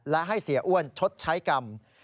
และให้เสียอ้วนชดใช้กรรม